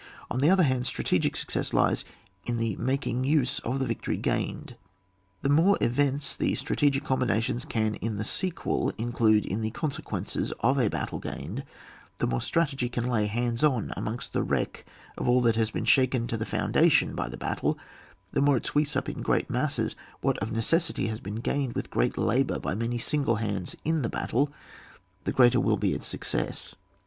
On the other hand, strategic success lies in the making use of the vic tory gained. The more events the strategic combinations can in the sequel include in the consequences of a battle gained, the more strategy can lay hands on amongst the wreck of all that has been shaken to the foundation by the battle, the more it sweeps up in great masses what of necessity has been gained with great labour by many single hands in the oattle, the grander will be its success.